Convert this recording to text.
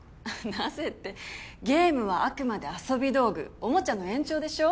なぜってゲームはあくまで遊び道具おもちゃの延長でしょ？